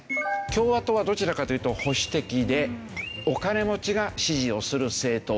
共和党はどちらかというと保守的でお金持ちが支持をする政党。